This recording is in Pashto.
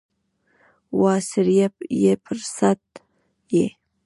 وا سړیه پر سد یې ؟